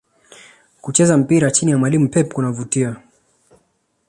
Kucheza mpira chini ya mwalimu Pep kunavutia